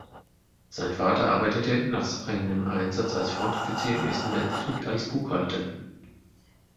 Sein Vater arbeitete, nach seinem Einsatz als Frontoffizier im Ersten Weltkrieg, als Buchhalter.